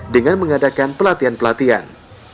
dengan mengadakan pelatihan pelatihan